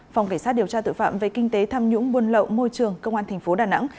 phòng cảnh sát điều tra tội phạm về kinh tế tham nhũng buôn lậu môi trường công an thành phố đà nẵng